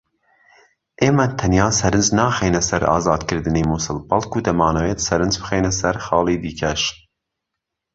ئێمە تەنیا سەرنج ناخەینە سەر ئازادکردنی موسڵ بەڵکو دەمانەوێت سەرنج بخەینە سەر خاڵی دیکەش